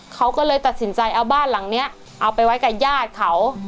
เขาก็เลยตัดสินใจเอาบ้านหลังนี้เอาไปไว้กับญาติเขา